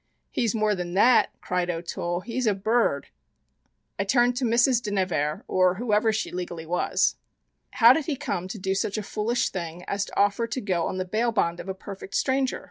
"He's more than that!" cried O'Toole. "He's a bir rd!" I turned to Mrs. de Nevers or whoever she legally was. "How did he come to do such a foolish thing as to offer to go on the bail bond of a perfect stranger?